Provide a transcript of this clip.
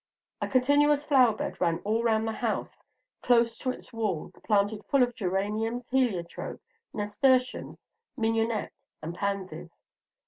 A continuous flower bed ran all round the house close to its walls, planted full of geraniums, heliotrope, nasturtiums, mignonette, and pansies.